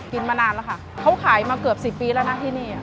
มานานแล้วค่ะเขาขายมาเกือบ๑๐ปีแล้วนะที่นี่